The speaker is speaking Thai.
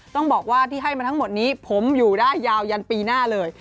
ต้องบอกว่าที่ให้มาทั้งหมดนี้ผมอยู่ได้ยาวยันปีหน้าเลย